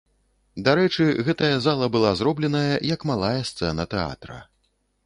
Дарэчы, гэтая зала была зробленая, як малая сцэна тэатра.